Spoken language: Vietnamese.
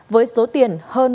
với số tiền hơn ba mươi tỷ đồng